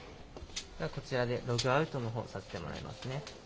こちらでログアウトのほう、させてもらいますね。